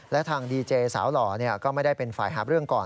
และทางดีเจสาวหล่อก็ไม่ได้เป็นฝ่ายหาบเรื่องก่อน